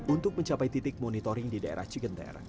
untuk mencapai titik monitoring di daerah cigenter